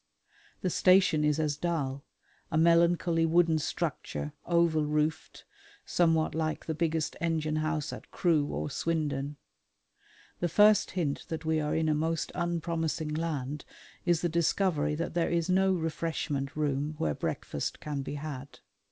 The station is as dull: a melancholy wooden structure, oval roofed, somewhat like the biggest engine house at Crewe or Swindon. The first hint that we are in a most unpromising land is the discovery that there is no refreshment room where breakfast can be had.